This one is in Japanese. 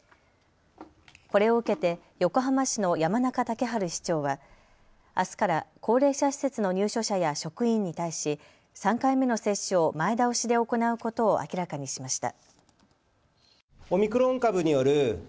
これを受けて横浜市の山中竹春市長はあすから高齢者施設の入所者や職員に対し３回目の接種を前倒しで行うことを明らかにしました。